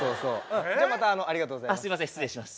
じゃあまたありがとうございます。